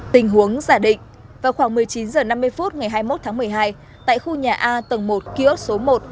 tình huống giả định vào khoảng một mươi chín h năm mươi phút ngày hai mươi một tháng một mươi hai tại khu nhà a tầng một kiosk số một